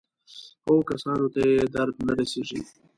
هغو کسانو ته یې درد نه رسېږي.